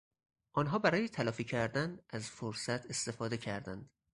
آنها برای تلافی کردن از فرصت استفاده کردند.